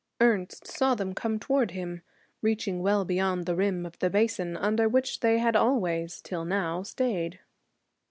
Ernest saw them come toward him, reaching well beyond the rim of the basin under which they had always, till now, stayed.